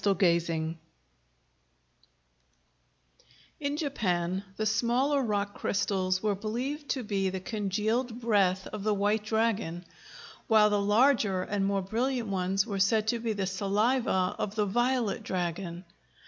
] In Japan the smaller rock crystals were believed to be the congealed breath of the White Dragon, while the larger and more brilliant ones were said to be the saliva of the Violet Dragon.